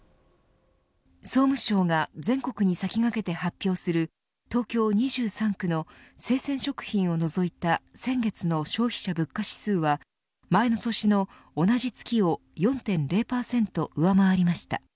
総務省が全国に先駆けて発表する東京２３区の、生鮮食品を除いた先月の消費者物価指数は前の年の同じ月を４．０％上回りました。